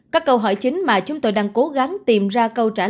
các câu hỏi chính mà chúng tôi đang cố gắng tìm ra